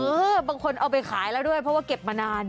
บางคนเอาไปขายแล้วด้วยเพราะว่าเก็บมานาน